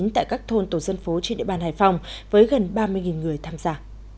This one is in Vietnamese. tại các thôn tổ dân phố trên địa bàn hải phòng với gần ba mươi người tham gia